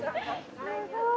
・すごい。